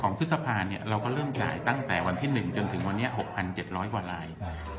ของพฤษภาเนี้ยเราก็เริ่มจ่ายตั้งแต่วันที่หนึ่งจนถึงวันเนี้ยหกพันเจ็ดร้อยกว่าลายอ่า